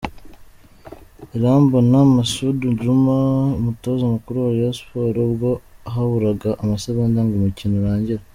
Irambona Masud Djuma umutoza mukuru wa Rayon Sports ubwo haburaga amasegonda ngo umukino urangire.